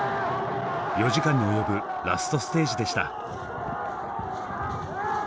４時間に及ぶラストステージでした。